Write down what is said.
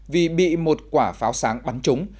vì bị một quả pháo sáng bắn trúng